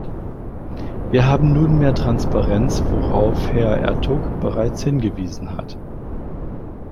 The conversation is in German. Wir haben nun mehr Transparenz worauf Herr Ertug bereits hingewiesen hat.